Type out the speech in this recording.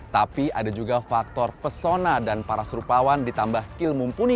tapi ada juga faktor pesona dan para serupawan ditambah skill mumpuni